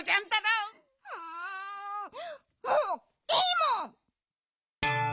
うんもういいもん！